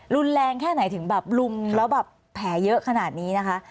รุนแรงแค่ไหนถึงแบบลุมแล้วแบบแผลเยอะขนาดนี้นะคะ